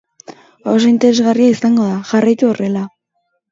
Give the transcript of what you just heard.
Oso interesgarria izan da!! Jarraitu horrela!👏👏👏👏👏